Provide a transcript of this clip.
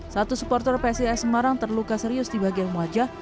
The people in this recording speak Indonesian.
satu supporter psis semarang terluka serius di bagian wajah